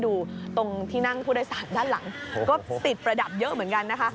ดูตรงที่นั่งผู้โดยสารด้านหลังก็ติดประดับเยอะเหมือนกันนะคะ